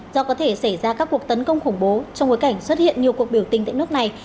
do có thể xảy ra các cuộc tấn công khủng bố trong bối cảnh xuất hiện nhiều cuộc biểu tình tại nước này